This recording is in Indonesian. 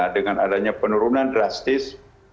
dengan adanya penurunan drastis